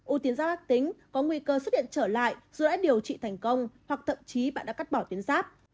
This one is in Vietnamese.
u tiến giáp ác tính có nguy cơ xuất hiện trở lại dù đã điều trị thành công hoặc thậm chí bạn đã cắt bỏ tuyến giáp